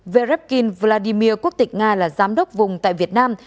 verbin vladimir quốc tịch nga là giám đốc vùng tại việt nam